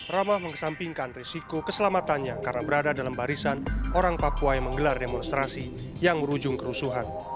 ramah mengesampingkan risiko keselamatannya karena berada dalam barisan orang papua yang menggelar demonstrasi yang berujung kerusuhan